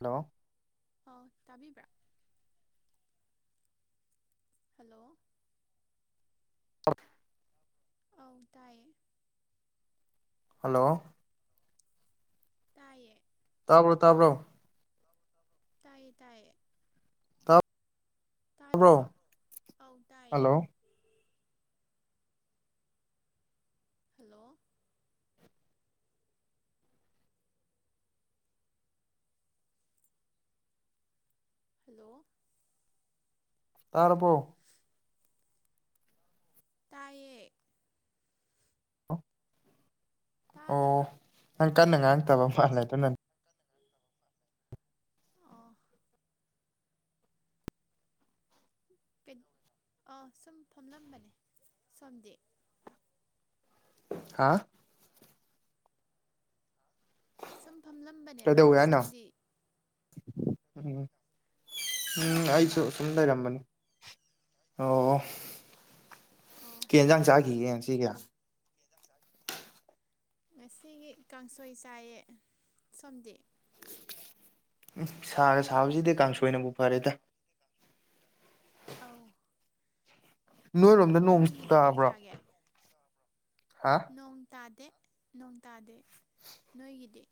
Hello ꯑꯣ ꯇꯥꯕꯤꯕ꯭ꯔꯥ hello ꯑ [unintelligible] ꯑꯧ ꯇꯥꯏꯌꯦ ꯍꯜꯂꯣ ꯇꯥꯏꯌꯦ ꯇꯥꯕ꯭ꯔꯣ ꯇꯥꯕ꯭ꯔꯣ ꯇꯥꯏꯌꯦ ꯇꯥꯏꯌꯦ ꯇ [inaudible] ꯇꯥꯗ꯭ꯔꯕꯣ ꯑꯧ ꯇꯥꯏꯌꯦ ꯍꯜꯂꯣ ꯍꯜꯂꯣ ꯍꯜꯂꯣ ꯇꯥꯔꯕꯣ ꯇꯥꯏꯌꯦ ꯇꯥꯗꯕ꯭ꯔꯣ ꯑꯣ ꯅꯪ ꯀꯟꯅ ꯉꯥꯡꯉꯛꯇꯕ ꯃꯥꯜꯂꯦ ꯑꯗꯨꯅꯅꯦ ꯀꯟꯅ [inaudible] ꯑꯣ ꯑꯥ ꯁꯨꯝ ꯐꯝꯂꯝꯕꯅꯦ ꯁꯣꯝꯗꯤ ꯍꯥꯥ ꯁꯨꯝ ꯍꯥ ꯐꯝꯂꯝꯕꯅꯦꯕ ꯀꯩꯗꯧꯋꯦ ꯍꯥꯏꯅꯣ ꯁꯣꯝꯗꯤ ꯎꯝ ꯁꯨꯝ ꯎꯝ ꯐꯝꯕ ꯑꯩꯁꯨ ꯁꯝ ꯂꯩꯔꯝꯕꯅꯤ ꯑꯣ ꯑꯣ ꯀꯩ ꯌꯦꯟꯖꯥꯡ ꯆꯥꯈꯤꯒꯦ ꯉꯥꯁꯤꯒꯤ ꯉꯁꯤꯒꯤ ꯀꯥꯡꯁꯣꯏ ꯆꯥꯏꯌꯦ ꯁꯣꯝꯗꯤ ꯎꯝ ꯁꯥꯔ ꯁꯥꯕꯁꯤꯗ ꯀꯥꯡꯁꯣꯏꯅꯕꯨ ꯐꯔꯦꯗ ꯑꯧ ꯅꯣꯏꯔꯣꯝꯗ ꯅꯣꯡ ꯅꯣꯏꯒꯤꯗꯤ ꯀꯩ ꯇꯥꯕ꯭ꯔꯣ ꯆꯥꯒꯦ ꯍꯥ ꯅꯣꯡ ꯇꯥꯗꯦ ꯅꯣꯡ ꯇꯥꯗꯦ ꯅꯣꯏꯒꯤꯗꯤ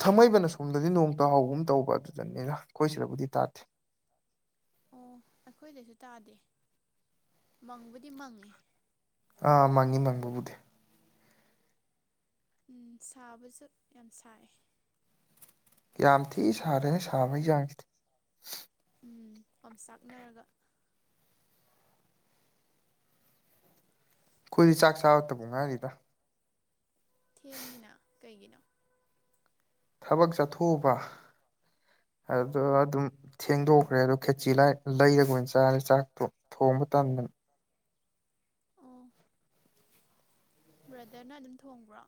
ꯊꯝꯃꯩꯕꯅ ꯑꯁꯣꯝꯗꯗꯤ ꯅꯣꯡ ꯇꯥꯍꯥꯎꯒꯨꯝ ꯇꯧꯕ ꯑꯗꯨꯅꯅꯤ ꯑꯩꯈꯣꯏ ꯁꯤꯗꯕꯨꯗꯤ ꯇꯥꯗꯦ ꯑꯣ ꯑꯩꯈꯣꯏꯗꯁꯨ ꯇꯥꯗꯦ ꯃꯪꯕꯨꯗꯤ ꯃꯪꯉꯦ ꯑꯥ ꯃꯪꯉꯤ ꯃꯪꯕꯕꯨꯗꯤ ꯎꯝ ꯁꯥꯕꯁꯨ ꯌꯥꯝ ꯁꯥꯏꯌꯦ ꯌꯥꯝ ꯊꯤ ꯁꯥꯔꯦꯍꯦ ꯁꯥꯕꯒꯤ ꯆꯥꯡꯁꯤꯗꯤ ꯎꯝ ꯑꯣꯝꯆꯥꯛꯅꯔꯒ ꯑꯩꯈꯣꯏꯗꯤ ꯆꯥꯛ ꯆꯥꯔꯇꯕꯨ ꯉꯥꯏꯔꯤꯗ ꯊꯦꯡꯉꯤꯅ ꯀꯩꯒꯤꯅꯣ ꯊꯕꯛ ꯆꯠꯊꯣꯛꯎꯕ ꯑꯗꯨꯗ ꯑꯣ ꯑꯗꯨꯝ ꯊꯦꯡꯗꯣꯛꯈ꯭ꯔꯦ ꯑꯗꯨ ꯈꯦꯆꯤ ꯂꯩꯏ ꯂꯩꯔꯒ ꯑꯣꯏꯅ ꯆꯥꯔꯦ ꯆꯥꯛꯇꯣ ꯊꯣꯡꯕ ꯇꯟꯗꯅ ꯑꯣ ꯕ꯭ꯔꯗꯔꯅ ꯑꯗꯨꯝ ꯊꯣꯡꯕ꯭ꯔꯣ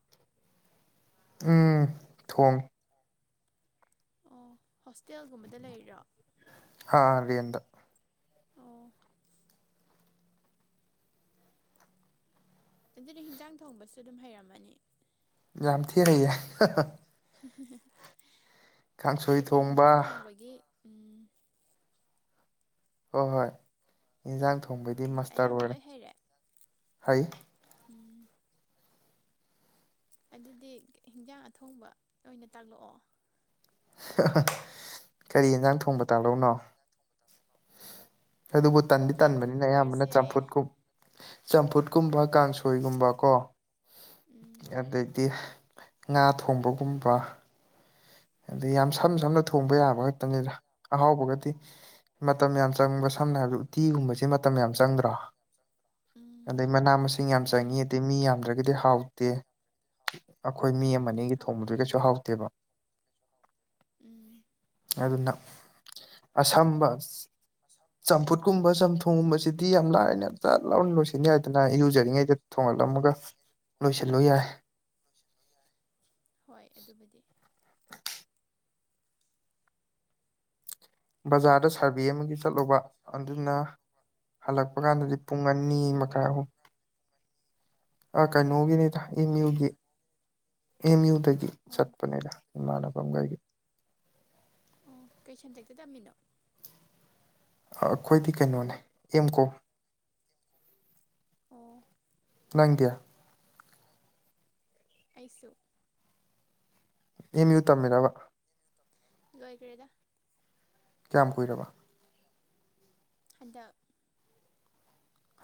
ꯎꯝ ꯊꯣꯡꯉꯦ ꯑꯣ ꯍꯣꯁꯇꯦꯜꯒꯨꯝꯕꯗ ꯂꯩꯔꯤꯔꯣ ꯑꯥ ꯔꯦꯟꯇꯗ ꯑꯣ ꯑꯗꯨꯗꯤ ꯍꯤꯟꯖꯥꯡ ꯊꯣꯡꯕꯁꯨ ꯑꯗꯨꯝ ꯍꯩꯔꯝꯃꯅꯤ ꯌꯥꯝ ꯊꯤ ꯍꯩꯌꯦ ꯀꯥꯡꯁꯣꯏ ꯀꯩꯀꯩ ꯊꯣꯡꯕ ꯍꯤꯟꯖꯥꯡ ꯊꯣꯡꯕꯒꯤ ꯎꯝ ꯍꯣꯏ ꯍꯣꯏ ꯏꯟꯖꯥꯡ ꯊꯣꯡꯕꯩꯗꯤ ꯑꯗꯨꯗꯤ ꯃꯁꯇꯔ ꯑꯌꯥꯝꯕ ꯑꯣꯏꯔꯦ ꯂꯣꯏ ꯍꯩꯔꯦ ꯍꯩ ꯎꯝ ꯑꯗꯨꯗꯤ ꯍꯤꯟꯖꯥꯡ ꯑꯊꯣꯡꯕ ꯑꯣꯏꯅ ꯇꯥꯛꯂꯛꯑꯣ ꯀꯔꯤ ꯌꯦꯟꯖꯥꯡ ꯊꯣꯡꯕ ꯇꯥꯛꯂꯧꯅꯣ ꯀꯔꯤꯗ ꯍꯦꯟꯖꯡ ꯊꯣꯡꯕ ꯑꯗꯨꯕꯨ ꯇꯟꯗꯤ ꯌꯦꯟ ꯇꯟꯕꯅꯤꯅ ꯊꯣꯡꯕ ꯑꯣꯏꯔꯁꯨ ꯑꯌꯥꯝꯕꯅ ꯌꯥꯏꯌꯦ ꯆꯝꯐꯨꯠ ꯀꯨꯝ ꯆꯝꯐꯨꯠꯀꯨꯝꯕ ꯀꯥꯡꯁꯣꯏꯒꯨꯝꯕ ꯀꯣ ꯎꯝ ꯑꯗꯩꯗꯤ ꯉꯥ ꯊꯣꯡꯕꯒꯨꯝꯕ ꯑꯗ ꯌꯥꯝ ꯁꯝ ꯁꯝꯅ ꯊꯣꯡꯕ ꯌꯥꯕ ꯈꯛꯇꯅꯤꯗ ꯑꯍꯥꯎꯕꯒꯗꯤ ꯃꯇꯝ ꯌꯥꯝ ꯆꯪꯕ ꯁꯝꯅ ꯍꯥꯏꯔꯕꯗ ꯎꯠꯇꯤꯒꯨꯝꯕꯕꯁꯤ ꯃꯇꯝ ꯌꯥꯝ ꯆꯪꯗ꯭ꯔꯥ ꯎꯝ ꯑꯗꯩ ꯃꯅꯥ ꯃꯁꯤꯡ ꯌꯥꯝ ꯆꯪꯉꯤ ꯆꯪꯏꯤ ꯑꯗꯩ ꯃꯤ ꯌꯥꯝꯗ꯭ꯔꯒꯗꯤ ꯍꯥꯎꯇꯦ ꯑꯩꯈꯣꯏ ꯃꯤ ꯎꯝ ꯑꯃꯅꯤ ꯑꯒꯤ ꯊꯣꯡꯕꯗꯨ ꯍꯥꯎꯇꯦ ꯀꯩꯁꯨ ꯍꯥꯎꯇꯦꯕ ꯎꯝ ꯑꯗꯨꯅ ꯑꯁꯝꯕ ꯑꯁꯥꯝ ꯆꯝꯐꯨꯠꯀꯨꯝꯕ ꯆꯝꯊꯣꯡꯒꯨꯝꯕꯁꯤꯗꯤ ꯌꯥꯝ ꯂꯥꯏꯅ ꯌꯥꯝꯖ ꯂꯥꯎꯔ ꯂꯣꯏꯁꯤꯟꯅꯤ ꯍꯥꯏꯗꯅ ꯏꯔꯨꯖꯔꯤꯉꯩꯗ ꯊꯣꯡꯍꯜꯂꯝꯃꯒ ꯂꯣꯏꯁꯤꯜꯂꯨ ꯌꯥꯏ ꯍꯣꯏ ꯑꯗꯨꯕꯨꯗꯤ ꯕꯖꯥꯔꯗ ꯁꯥꯔꯕꯦ ꯑꯃꯒꯤ ꯆꯠꯂꯨꯕ ꯑꯗꯨꯅ ꯍꯜꯂꯛꯄ ꯀꯥꯟꯗꯗꯤ ꯑꯣ ꯄꯨꯡ ꯑꯅꯤ ꯀꯩ ꯁꯔꯚꯦ ꯃꯈꯥꯏ ꯑꯍꯨꯝ ꯑ ꯀꯩꯅꯣꯒꯤꯅꯤꯗ ꯑꯦꯝ ꯀꯩ ꯌꯨꯒꯤ ꯑꯦꯝ ꯌꯨ ꯗꯒꯤ ꯑꯣ ꯆꯠꯄꯅꯤꯗ ꯏꯃꯥꯟꯅꯕꯉꯩꯒꯤ ꯑꯣ ꯀꯩ ꯁꯟꯗꯦꯛꯇ ꯇꯝꯃꯤꯅꯣ ꯑ ꯑꯩꯈꯣꯏꯗꯤ ꯀꯩꯅꯣꯅꯦ ꯑꯦꯝ ꯀꯣ ꯑꯣ ꯅꯪꯗꯤ ꯑꯩꯁꯨ ꯑꯦꯝ ꯌꯨ ꯇꯝꯃꯤꯔꯕ ꯂꯣꯏꯒ꯭ꯔꯦꯗ ꯀꯌꯥꯝ ꯀꯨꯏꯔꯕ ꯍꯟꯗꯛ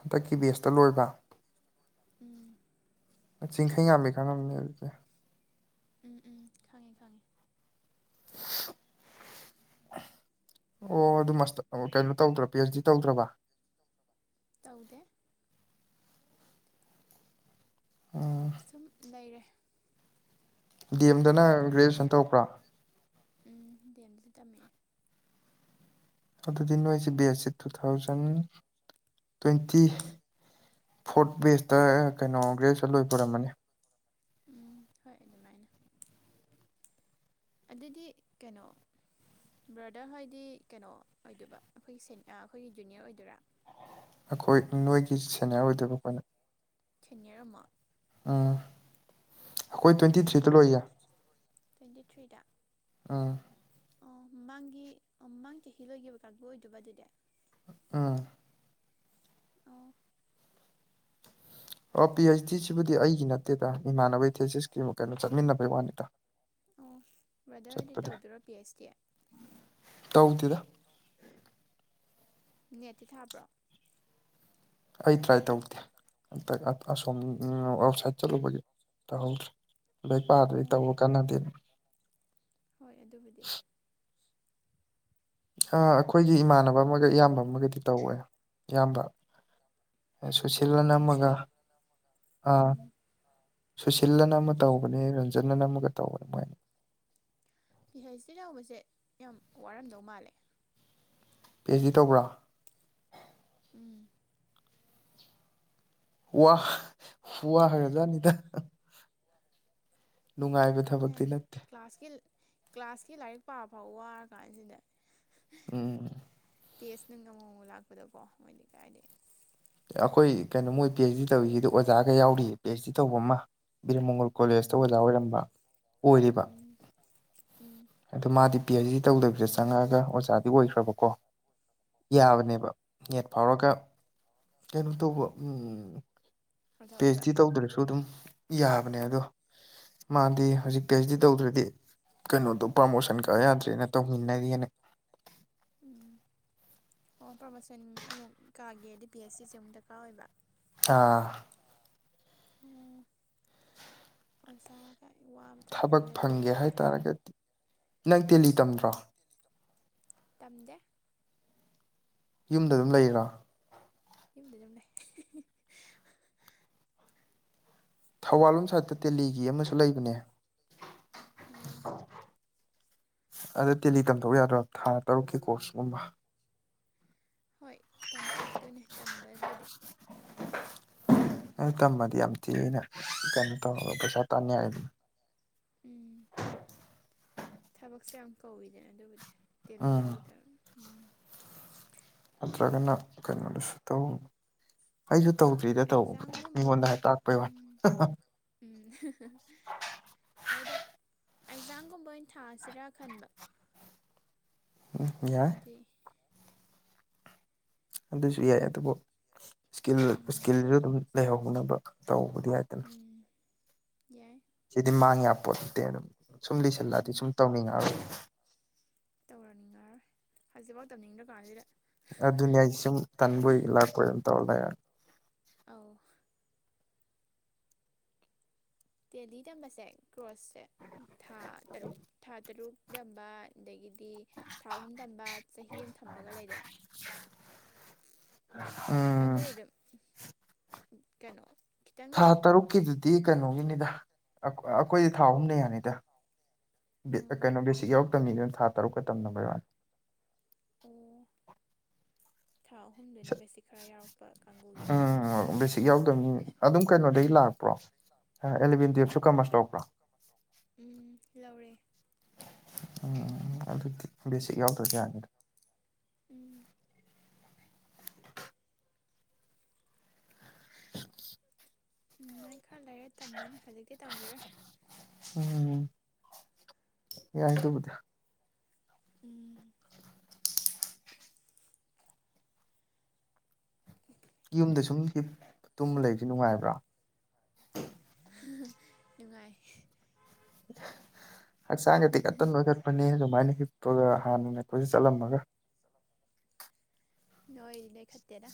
ꯍꯟꯗꯛꯀꯤ ꯕꯦꯁꯇ ꯂꯣꯏꯕ ꯎꯝ ꯆꯤꯡꯈꯩꯉꯥꯟꯕꯤ ꯈꯡꯉꯝꯅꯦ ꯑꯗꯨꯗꯤ ꯎꯝ ꯎꯝ ꯈꯪꯉꯦ ꯈꯪꯉꯦ ꯑꯣ ꯑꯗꯨ ꯃꯥꯁꯇ ꯀꯩꯅꯣ ꯇꯧꯗ꯭ꯔꯣ ꯄꯤ ꯑꯩꯆ ꯗꯤ ꯇꯧꯗ꯭ꯔꯕ ꯇꯧꯗꯦ ꯎꯝ ꯁꯨꯝ ꯂꯩꯔꯦ ꯗꯤ ꯂꯥꯏꯔꯤꯛ ꯄꯥ ꯑꯦꯝꯗꯅ ꯒ꯭ꯔꯦꯖꯨꯑꯦꯁꯟ ꯇꯟꯕꯅꯤꯅ ꯇꯧꯕ꯭ꯔꯥ ꯎꯝ ꯗꯤ ꯑꯦꯝꯁꯨ ꯇꯝꯃꯛꯑꯦ ꯑꯗꯨꯗꯤ ꯅꯣꯏꯁꯤ ꯕꯦꯁꯁꯤ ꯇꯨ ꯊꯥꯎꯖꯟ ꯇ꯭ꯋꯦꯟꯇꯤ ꯐꯣꯔꯠ ꯕꯦꯖꯇ ꯀꯩꯅꯣ ꯒ꯭ꯔꯦꯖꯨꯁꯟ ꯂꯣꯏꯕ ꯑꯣꯔꯝꯃꯅꯤ ꯎꯝ ꯍꯣꯏ ꯑꯗꯨꯃꯥꯏꯅ ꯑꯗꯨꯗꯤ ꯀꯩꯅꯣ ꯕ꯭ꯔꯗꯔ ꯍꯣꯏꯗꯤ ꯀꯩꯅꯣ ꯑꯣꯏꯗꯣꯏꯕ ꯑꯩꯈꯣꯏꯒꯤ ꯁꯦꯅꯤ ꯑꯩꯈꯣꯏꯒꯤ ꯖꯨꯅꯤꯌꯔ ꯑꯣꯏꯗꯣꯏꯔꯥ ꯑꯩꯈꯣꯏ ꯅꯣꯏꯒꯤ ꯁꯦꯅꯤꯌꯥꯔ ꯑꯣꯏꯗꯣꯏꯕ ꯑꯩꯈꯣꯏꯅ ꯁꯦꯅꯤꯌꯔ ꯑꯃꯨꯛ ꯎꯝ ꯑꯩꯈꯣꯏ ꯇ꯭ꯋꯦꯟꯇꯤ ꯊ꯭ꯔꯤꯗ ꯎꯝ ꯂꯣꯏꯌꯦ ꯇ꯭ꯋꯦꯟꯇꯤ ꯊ꯭ꯔꯤꯗ ꯎꯝ ꯑꯣ ꯃꯃꯥꯡꯒꯤ ꯃꯃꯥꯡ ꯆꯍꯤ ꯂꯣꯏꯈꯤꯕ ꯀꯥꯡꯕꯨ ꯑꯣꯏꯗꯣꯏꯕ ꯑꯗꯨꯗꯤ ꯎꯝ ꯑꯣ ꯑꯣ ꯄꯤ ꯑꯩꯆ ꯗꯤ ꯁꯤꯕꯨꯗꯤ ꯑꯩꯒꯤ ꯅꯠꯇꯦꯗ ꯏꯃꯥꯟꯅꯕꯒꯤ ꯊꯦꯁꯤꯁꯀꯤ ꯀꯩꯅꯣ ꯆꯠꯃꯤꯟꯅꯕꯩ ꯋꯥꯅꯤꯗ ꯑꯣ ꯕ꯭ꯔꯗꯔꯍꯣꯏꯗꯤ ꯆꯠꯄꯗꯤ ꯇꯧꯗꯣꯏꯔꯣ ꯄꯤ ꯑꯩꯆ ꯗꯤ ꯇꯧꯗꯦꯗ ꯅꯦꯠꯇꯤ ꯊꯥꯕ꯭ꯔꯣ ꯑꯩ ꯇ꯭ꯔꯥꯏ ꯇꯧꯗꯦ ꯑꯁꯣꯝ ꯑꯥꯎꯠꯁꯥꯏꯠ ꯆꯠꯂꯨꯕꯒꯤ ꯇꯧꯍꯧꯗ꯭ꯔꯦ ꯂꯥꯏꯔꯤꯛ ꯄꯥꯗ꯭ꯔꯗꯤ ꯑꯣ ꯇꯧꯕ ꯀꯥꯟꯅꯗꯦꯅ ꯍꯣꯏ ꯑꯗꯨꯕꯨꯗꯤ [inaudible] ꯑ ꯑꯩꯈꯣꯏꯒꯤ ꯏꯃꯥꯟꯅꯕ ꯑꯃꯒ ꯏꯌꯥꯝꯕ ꯑꯃꯒꯗꯤ ꯇꯧꯋꯦ ꯏꯌꯥꯝꯕ ꯑ ꯁꯨꯁꯤꯜꯂꯅ ꯄꯤ ꯑꯩꯆ ꯑꯃꯒ ꯗꯤ ꯑꯥ ꯎꯝ ꯁꯨꯁꯤꯜꯂꯅ ꯑꯃ ꯇꯧꯕꯅꯦ ꯔꯟꯖꯟꯑꯅ ꯑꯃꯒ ꯇꯧꯕꯅꯦ ꯃꯣꯏ ꯑꯅꯤ ꯄꯤꯍꯩꯁꯇꯤ ꯅ ꯇꯧꯕꯁꯦ ꯌꯥꯝ ꯋꯥꯔꯝꯗꯧ ꯃꯥꯜꯂꯦ ꯄꯦ ꯑꯩꯁ ꯗꯤ ꯇꯧꯕꯔꯣ ꯎꯝ ꯋꯥ ꯋꯥꯒ꯭ꯔꯥꯖꯥꯠꯅꯤꯗ ꯅꯨꯡꯉꯥꯏꯕ ꯊꯕꯛꯇꯤ ꯅꯠꯇꯦ ꯀ꯭ꯂꯥꯁꯀꯤ ꯀ꯭ꯂꯥꯁꯀꯤ ꯂꯥꯏꯔꯤꯛ ꯄꯥꯕ ꯐꯥꯎ ꯋꯥꯔ ꯀꯥꯟꯁꯤꯗ ꯎꯝ ꯇꯦꯁ ꯅꯨꯡ ꯑꯃꯃꯝ ꯂꯥꯛꯄꯗꯀꯣ ꯃꯣꯏꯗꯤ ꯀꯥꯏꯗꯩ ꯑꯩꯈꯣꯏ ꯀꯩꯅꯣ ꯃꯣꯏ ꯄꯤ ꯑꯩꯆ ꯗꯤ ꯇꯧꯔꯤꯁꯤꯗ ꯑꯣꯖꯥꯒ ꯌꯥꯎꯔꯤꯌꯦ ꯄꯤ ꯑꯩꯆ ꯗꯤ ꯇꯧꯕ ꯑꯃ ꯕꯤꯔ ꯃꯪꯒꯣꯜ ꯀꯣꯂꯦꯖꯇ ꯎꯝ ꯑꯣꯖꯥ ꯑꯣꯏꯔꯝꯕ ꯑꯣꯏꯔꯤꯕ ꯎꯝ ꯎꯝ ꯑꯗꯣ ꯃꯥꯗꯤ ꯄꯤ ꯑꯩꯆ ꯗꯤ ꯇꯧꯗꯕꯤꯗ ꯆꯪꯉꯛꯑꯒ ꯑꯣꯖꯥꯗꯤ ꯑꯣꯏꯈ꯭ꯔꯥꯕꯀꯣ ꯎꯝ ꯌꯥꯕꯅꯦꯕ ꯅꯦꯠ ꯐꯥꯎꯔꯒ ꯀꯩꯅꯣ ꯇꯧꯕ ꯎꯝ ꯑꯗ ꯄꯤ ꯑꯩꯆ ꯑꯣꯏꯕ ꯗꯤ ꯇꯧꯗ꯭ꯔꯁꯨ ꯑꯗꯨꯝ ꯌꯥꯕꯅꯦ ꯑꯗꯣ ꯃꯥꯗꯤ ꯍꯧꯖꯤꯛ ꯄꯤ ꯑꯩꯆ ꯗꯤ ꯇꯧꯗ꯭ꯔꯗꯤ ꯀꯩꯅꯣꯗꯣ ꯄ꯭ꯔꯃꯣꯁꯟ ꯀꯥ ꯌꯥꯗ꯭ꯔꯦꯅ ꯇꯧꯃꯤꯟꯅꯔꯤꯑꯦꯅ ꯎꯝ ꯑꯣ ꯄ꯭ꯔꯃꯣꯁꯟ ꯑꯃꯨꯛ ꯀꯥꯒꯦꯗꯤ ꯄꯤ ꯑꯩꯆ ꯗꯤꯁꯦ ꯑꯃꯨꯛ ꯗꯔꯀꯥꯔ ꯑꯣꯏꯕ ꯑꯥ ꯑꯣ ꯑꯣꯖꯥꯒꯥꯏ ꯋꯥꯕ ꯊꯕꯛꯅꯤꯗ ꯑꯗꯨꯗꯤ ꯇꯔꯒꯦꯠ ꯅꯪ ꯇꯦꯜꯂꯤ ꯇꯝꯗ꯭ꯔꯣ ꯎꯝ ꯇꯝꯗꯦ ꯌꯨꯝꯗ ꯑꯗꯨꯝ ꯂꯩꯔꯤꯔꯣ ꯌꯨꯝ ꯑꯗꯨꯝ ꯂꯩ ꯊꯧꯕꯥꯜ ꯂꯣꯝ ꯁꯥꯏꯠꯇ ꯇꯦꯜꯂꯤꯒꯤ ꯑꯃꯁꯨ ꯂꯩꯕꯅꯦ ꯑꯣ ꯑꯗꯣ ꯇꯦꯜꯂꯤ ꯇꯝꯊꯣꯛꯎ ꯌꯥꯗ꯭ꯔꯣ ꯊꯥ ꯇꯔꯨꯛꯀꯤ ꯀꯣꯔꯁꯀꯨꯝꯕ ꯍꯣꯏ ꯇꯝꯊꯣꯛꯇꯣꯏꯅꯦ ꯇꯝꯕꯩꯕꯨꯗꯤ ꯑꯗꯨ ꯇꯝꯃꯗꯤ ꯌꯥꯝ ꯊꯤꯅ ꯀꯩꯅꯣ ꯇꯧꯔꯒ ꯄꯩꯁꯥ ꯇꯥꯟ ꯌꯥꯔꯦꯗꯅ ꯎꯝ ꯊꯕꯛꯁꯦ ꯌꯥꯝ ꯀꯧꯏꯗꯅ ꯑꯗꯨꯕꯨꯗꯤ ꯇꯦꯜꯂꯤ ꯎꯝ ꯌꯥꯎꯗꯕ ꯎꯝ ꯅꯠꯇ꯭ꯔꯒꯅ ꯀꯩꯅꯣꯗꯁꯨ ꯇꯧ ꯑꯩꯁꯨ ꯇꯧꯗ꯭ꯔꯤꯗ ꯇꯧꯕꯕꯨꯗꯤ ꯑꯦꯛꯖꯥꯝꯒꯨꯝꯕ ꯃꯤꯉꯣꯟꯗ ꯇꯥꯛꯄꯩ ꯋꯥꯅꯤ ꯎꯝ ꯎꯝ ꯑꯩꯗꯣ ꯑꯦꯛꯖꯥꯝꯒꯨꯝꯕ ꯑꯣꯏꯅ ꯊꯥꯁꯤꯔꯥ ꯈꯟꯕ ꯎꯝ ꯌꯥꯏ ꯑꯗꯨꯗꯤ ꯑꯗꯨꯁꯨ ꯌꯥꯏ ꯑꯗꯨꯕꯨ ꯁ꯭ꯀꯤꯜ ꯎꯝ ꯁ꯭ꯀꯤꯜꯁꯨ ꯑꯗꯨꯝ ꯂꯩꯍꯧꯅꯕ ꯇꯧꯕꯗꯤ ꯌꯥꯢ ꯎꯝ ꯌꯥꯏ ꯁꯤꯗꯤ ꯃꯥꯡꯌꯥꯄꯣꯟꯇꯦ ꯗꯨꯝ ꯁꯨꯝ ꯂꯤꯁꯜꯂꯛꯑꯗꯤ ꯁꯨꯝ ꯇꯧꯅꯤꯡꯉꯛꯑꯔꯣꯏꯕ ꯇꯧꯔꯛꯅꯤꯡꯉꯥꯔꯣꯏ ꯍꯧꯖꯤꯛꯐꯥꯎ ꯇꯧꯅꯤꯡꯗ꯭ꯔꯀꯥꯟꯖꯤꯗ ꯑꯗꯨꯅꯦ ꯍꯥꯏꯖꯦ ꯁꯨꯝ ꯇꯟꯕꯣꯏ ꯂꯥꯛꯄꯣꯏ ꯑꯗꯨꯝ ꯇꯧꯔ ꯂꯩꯔꯅꯤ ꯑꯥꯎ ꯇꯦꯜꯂꯤ ꯇꯝꯕꯁꯦ ꯀ꯭ꯔꯣꯁꯁꯦ ꯊꯥ ꯇꯔꯨꯛ ꯊꯥ ꯇꯔꯨꯛ ꯇꯝꯕ ꯑꯗꯒꯤ ꯗꯤ ꯊꯥ ꯑꯍꯨꯝ ꯇꯝꯕ ꯆꯍꯤ ꯑꯃ ꯊꯝꯕꯒ ꯂꯩꯗꯅ ꯎꯝ ꯑꯗꯨꯗꯤ ꯑꯗꯨꯝ ꯀꯩꯅꯣ ꯈꯤꯇꯪ ꯊꯥ ꯇꯔꯨꯛꯀꯤꯗꯨꯗꯤ ꯀꯩꯅꯣꯒꯤꯅꯤꯗ ꯑꯩꯈꯣ ꯑꯈꯣꯏꯗꯤ ꯊꯥ ꯑꯍꯨꯝꯅ ꯌꯥꯅꯤꯗ ꯕꯦꯛ ꯀꯩꯅꯣ ꯕꯦꯁꯤꯛ ꯌꯥꯎ ꯇꯝꯃꯤꯗꯨꯅ ꯊꯥ ꯇꯔꯨꯛꯀ ꯇꯝꯅꯕ ꯌꯥꯎꯋꯦ꯫ ꯑꯣ ꯊꯥ ꯑꯍꯨꯝꯗ ꯕꯦꯁꯤꯛ ꯈꯔ ꯌꯥꯎꯔꯛꯄ ꯀꯥꯡꯕꯨꯒꯤ꯫ ꯎꯝ ꯕꯦꯁꯤꯛ ꯌꯥꯎꯗꯕꯅꯤ ꯑꯗꯨꯝ ꯀꯩꯅꯣꯗꯩ ꯂꯥꯛꯄ꯭ꯔꯣ ꯑꯦꯂꯕꯦꯟꯟ ꯇꯨꯌꯦꯞꯁꯨ ꯀꯝꯃ꯭ꯔꯁ ꯂꯧꯔꯛꯄ꯭ꯔꯣ꯫ ꯎꯝ ꯂꯧꯔꯦ꯫ ꯑ ꯑꯗꯨꯗꯤ ꯕꯦꯁꯤꯛ ꯌꯥꯎꯗ꯭ꯔꯖꯨ ꯌꯥꯅꯤꯗ꯫ ꯎꯝ꯫ ꯎꯝꯃꯥꯏ ꯈꯔ ꯂꯩꯔ ꯇꯝꯃꯅꯤ ꯍꯧꯖꯤꯛꯇꯤ ꯇꯝꯒꯤꯔꯣꯏ꯫ ꯎꯝ ꯌꯥꯏ ꯑꯗꯨꯕꯨꯗꯤ꯫ ꯎꯝ꯫ ꯌꯨꯝꯗ ꯁꯨꯝ ꯍꯤꯄ ꯇꯨꯝ ꯂꯩꯕꯖꯦ ꯅꯨꯡꯉꯥꯏꯕ꯭ꯔꯥ꯫ [unintelligible] ꯅꯨꯡꯉꯥꯏ꯫ ꯍꯛꯆꯥꯡꯒ ꯇꯤꯈꯠꯇꯅ ꯅꯣꯏꯇꯠꯄꯅꯦ ꯑꯗꯨꯃꯥꯏꯅ ꯍꯤꯄꯥꯒ ꯍꯥꯟꯅꯅꯥ ꯀꯣꯏꯆꯠ ꯆꯠꯂꯝꯃꯒ꯫ ꯅꯣꯏꯗꯤ ꯅꯣꯏ ꯂꯩꯈꯠꯇꯦꯗ꯫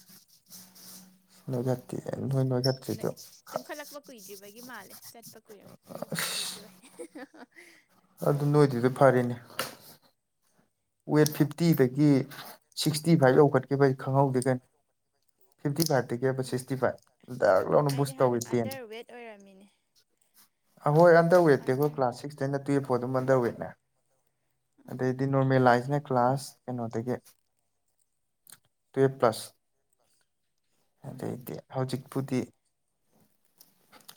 ꯅꯣꯏꯈꯠꯇꯦ ꯅꯣꯏ ꯅꯣꯏ ꯅꯣꯏꯈꯠꯇ꯭ꯔꯤꯗꯣ ꯈ_ _ ꯇꯨꯝꯈꯠꯂꯛꯄ ꯀꯨꯏꯗ꯭ꯔꯤꯕꯒꯤ ꯃꯥꯜꯂꯦ ꯆꯠꯄ ꯀꯨꯏꯔ ꯂꯦꯞꯄ ꯀꯨꯏꯗ꯭ꯔꯤꯕꯩ꯫ ꯑꯗꯨ ꯅꯣꯏ꯭ꯤꯗꯗꯣ ꯐꯔꯤꯅꯤ꯫ ꯐꯔꯦ꯫ ꯋꯦꯠ ꯐꯤꯞꯇꯤꯗꯒꯤ ꯁꯤꯛꯇꯤꯐꯥꯏ ꯌꯧꯈꯠꯈꯤꯕꯖꯦ ꯈꯪꯍꯧꯗꯦ ꯀꯩꯅꯣ꯫ ꯐꯤꯄꯇꯤꯐꯥꯏꯄꯇꯒꯤ ꯍꯥꯏꯕ ꯎꯝ ꯁꯤꯛꯁꯇꯤꯐꯥꯏꯚ ꯗꯛ ꯂꯥꯎꯅ ꯕꯨꯁ ꯇꯧꯋꯤ ꯇꯦꯟ꯫ ꯔꯝꯃꯤꯅꯦ꯫ ꯑꯍꯣꯏ ꯑꯟꯗꯔ ꯋꯦꯠꯇꯤ ꯑꯈꯣꯏ ꯀ꯭ꯂꯥꯁ ꯁꯤꯛꯁꯇꯩꯩꯅ ꯇꯨꯌꯦꯞ ꯐꯥꯎ ꯑꯗꯨꯝ ꯑꯟꯗꯔ ꯋꯦꯠꯅꯦ꯫ ꯎꯝ ꯑꯗꯩꯗꯤ ꯅꯣꯔꯃꯦꯜ ꯂꯥꯛꯏꯖꯤꯅ ꯀ꯭ꯂꯥꯁ ꯀꯩꯅꯣꯗꯒꯤ_ _ ꯇꯨꯋꯦꯄ ꯄ꯭ꯂꯁ꯫ ꯑꯁ_ _ ꯑꯗꯩꯗꯤ ꯍꯧꯖꯤꯛꯄꯨꯗꯤ_ _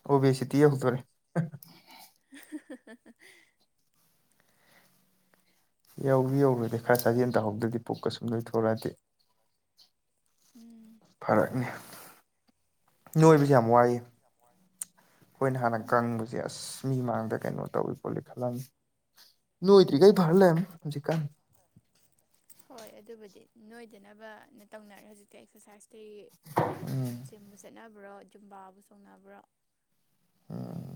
ꯑꯣꯕꯦꯁꯤꯇꯤ ꯌꯧꯗꯣꯔꯦ꯫ [unintelligible] [unintelligible] ꯌꯧꯗꯤ ꯌꯧꯔꯣꯏꯗ ꯈꯔ ꯁꯥꯖꯦꯟ ꯇꯍꯧꯗ꯭ꯔꯗꯤ ꯄꯨꯛꯀ ꯁꯨꯝ ꯅꯣꯏꯊꯣꯔꯛꯑꯗꯤ꯫ ꯎꯝ꯫ ꯐꯔꯛꯅꯤ ꯅꯣꯏꯕꯖꯦ ꯌꯥꯝ ꯋꯥꯏꯌꯦ꯫ ꯌꯥꯝ ꯋꯥꯏ꯫ ꯑꯈꯣꯏꯅ ꯍꯥꯟꯅ ꯀꯪꯕꯖꯦ ꯑꯁ ꯃꯤ ꯃꯥꯡꯗ ꯀꯩꯅꯣ ꯇꯧꯏ ꯈꯣꯠꯂꯤ ꯈꯜꯂꯝꯃꯤ꯫ ꯅꯣꯏꯗ꯭ꯔꯤꯒꯩ ꯐꯥ ꯂꯩꯍꯝꯃꯦ ꯍꯧꯖꯤꯛꯀꯥꯟ꯫ ꯍꯣꯏ ꯑꯗꯨꯕꯨꯗꯤ ꯅꯣꯏꯗꯅꯕꯅ ꯇꯧꯅꯔꯦ ꯍꯧꯖꯤꯛꯇꯤ ꯑꯦꯛꯁꯔꯁꯥꯏꯁ꯫ ꯇꯤ ꯎꯝ ꯖꯤꯝꯕꯨ ꯆꯠꯅꯕ꯭ꯔꯣ ꯖꯨꯝꯕꯥꯕꯨ ꯆꯣꯡꯅꯕ꯭ꯔꯣ꯫ ꯎꯝ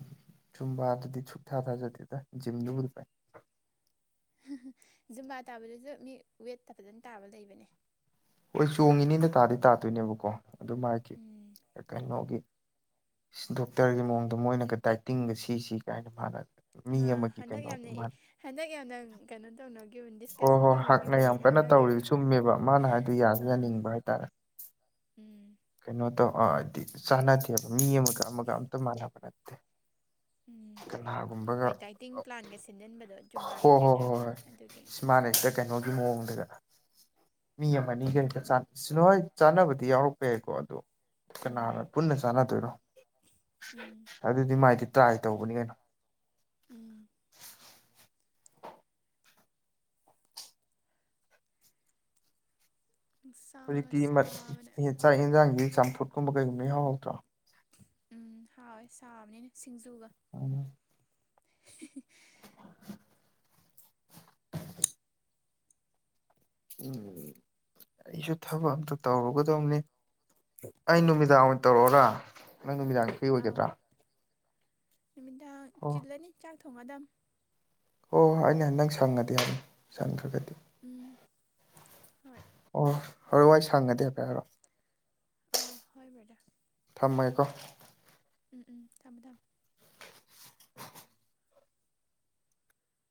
ꯆꯨꯝꯕꯥꯗꯨꯗꯤ ꯁꯨꯛꯊꯥ ꯊꯥꯖꯗꯦꯗ ꯖꯤꯝꯗꯨꯕꯨꯗꯤ ꯐꯩ꯫ ꯖꯨꯝꯕꯥ ꯇꯥꯕꯗꯖꯨ ꯃꯤ ꯋꯦꯠꯇ ꯐꯖꯅ ꯇꯥꯕ ꯂꯩꯕꯅꯦ꯫ ꯍꯣꯏ ꯆꯣꯡꯉꯤꯅꯤꯅ ꯇꯥꯗꯤ ꯇꯥꯗꯣꯏꯅꯦꯕꯀꯣ ꯑꯗꯨꯝ ꯃꯥꯒꯤ_ ꯎꯝ _ ꯀꯩꯅꯣꯒꯤ ꯗꯣꯛꯇꯔꯒꯤ ꯃꯑꯣꯡꯗ ꯃꯣꯏꯅꯒ ꯗꯥꯏꯇꯤꯡꯒ ꯁꯤꯁꯤ ꯀꯥꯏꯅ ꯃꯥꯥꯟꯅ ꯑ ꯍꯟꯗꯛ ꯌꯥꯝꯅ ꯏ ꯍꯟꯗꯛ ꯌꯥꯝꯅ ꯀꯩꯅꯣ ꯇꯧꯅꯈꯤꯕꯅꯦ ꯍꯣꯏ ꯗꯤꯁꯀꯁꯟ ꯍꯣꯏ ꯍꯥꯛꯅ ꯇꯧꯅꯈꯤꯕꯅꯦ ꯌꯥꯝ ꯀꯟꯅ ꯉꯥꯡꯅꯈꯤꯕ ꯇꯧꯔꯤ ꯆꯨꯝꯃꯦꯕ ꯃꯥꯅ ꯍꯥꯏꯗꯣ ꯌꯥꯁꯨ ꯑꯥ ꯌꯥꯅꯤꯡꯕ ꯍꯥꯏꯇꯥꯔꯦ ꯎꯝ ꯀꯩꯅꯣ ꯇꯧ ꯍꯥꯏꯗꯤ ꯆꯥꯟꯅꯗꯦꯕ ꯃꯤ ꯑꯃꯒ ꯑꯃꯒ ꯑꯝꯇ ꯃꯥꯟꯅꯕ ꯅꯠꯇꯦ꯫ ꯎꯝ ꯀꯅꯥꯒꯨꯝꯕꯒ ꯍꯣꯏ ꯗꯥꯏꯇꯤꯡ ꯄ꯭ꯂꯥꯟꯒ ꯁꯤꯟꯖꯟꯕꯗꯣ ꯖꯨꯝꯕꯥꯒꯤ ꯇ꯭ꯔꯦꯅꯔꯅ ꯑꯗꯨꯒꯤ ꯃꯥꯟꯅꯁꯤꯗ ꯀꯩꯅꯣꯒꯤ ꯃꯑꯣꯡꯗꯒꯥ ꯃꯤ ꯑꯃꯅꯤ ꯑꯒ ꯍꯦꯛꯇ ꯆꯥ ꯆꯠꯂꫭ ꯍꯣꯏ ꯆꯥꯅꯕꯗꯤ ꯌꯥꯎꯔꯛꯄ ꯌꯥꯏꯀꯣ ꯑꯗꯣ ꯎꯝ ꯀꯅꯥꯅ ꯄꯨꯟꯅ ꯆꯥꯟꯅꯗꯣꯏꯔꯣ ꯎꯝ ꯑꯗꯨꯗꯤ ꯃꯥꯏꯗꯤ ꯇ꯭ꯔꯥꯏ ꯇꯧꯕꯅꯤ ꯀꯩꯅꯣ ꯎꯝ ꯆꯥꯒ ꯍꯧꯖꯤꯛꯇꯤ ꯃꯠ ꯁꯥꯕꯅ ꯆꯥꯛ ꯌꯦꯟꯖꯥꯡꯁꯤ ꯆꯝꯐꯨꯠ ꯀꯨꯝꯕ ꯀꯩꯒꯨꯝꯕ ꯎꯍꯥꯎ ꯍꯥꯎꯗ꯭ꯔꯣ ꯎꯝ ꯍꯥꯎꯋꯦ ꯁꯥꯕꯅꯤꯅ ꯁꯤꯡꯖꯨꯒ ꯑꫭ [inaudible] ꯎꯝ ꯑꯩꯁꯨ ꯊꯕꯛ ꯑꯝꯇ ꯇꯧꯔꯨꯒꯗꯧꯅꯤ ꯑꯩ ꯅꯨꯃꯤꯗꯥꯡ ꯎꯝ ꯇꯧꯔꯛꯑꯣꯔ ꯅꯪ ꯅꯨꯃꯤꯗꯥꯡꯒꯤ ꯐ꯭ꯔꯤ ꯑꯥꯎ ꯑꯣꯏꯒꯗ꯭ꯔꯥ ꯅꯨꯃꯤꯗꯥꯡ ꯑꯣ ꯆꯤꯜꯂꯅꯤ ꯆꯥꯛ ꯊꯣꯡꯉꯥ ꯗꯨꯝ ꯍꯣꯏ ꯍꯣꯏ ꯑꯩꯅ ꯅꯪ ꯁꯪꯉꯗꯤ ꯍꯥꯏꯕꯅꯤ ꯁꯪꯈ꯭ꯔꯒꯗꯤ ꯎꯝ ꯍꯣꯏ ꯑꯣ ꯍꫭꯔꯦꯜ ꯋꯥꯏ ꯁꯪꯒꯗꯤ ꯍꯥꯏꯐꯦꯠ ꯍꯥꯏꯔꯑꫭ ꯑꫭ ꯍꯣꯏ ꯕ꯭ꯔꯗꯔ ꯊꯝꯃꯥꯒꯦꯀꯣ ꯎꯝ ꯎꯝ ꯊꯝꯃꯦ ꯊꯝꯃꯦ